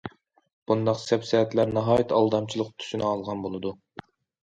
بۇنداق سەپسەتىلەر ناھايىتى ئالدامچىلىق تۈسىنى ئالغان بولىدۇ.